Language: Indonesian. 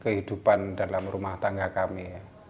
kehidupan dalam rumah tangga kami